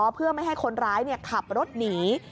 เพื่อไม่ให้คนร้ายขับรถหนี